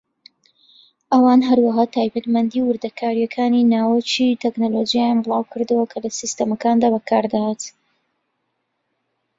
ئەوان هەروەها تایبەتمەندی و وردەکارییەکانی ناوەکی تەکنەلۆجیاکانیان بڵاوکردەوە کە لە سیستەمەکاندا بەکاردەهات.